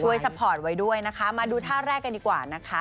ซัพพอร์ตไว้ด้วยนะคะมาดูท่าแรกกันดีกว่านะคะ